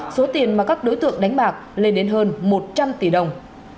số tiền mà các đối tượng đánh bạc lên đến hơn một trăm linh tỷ đồng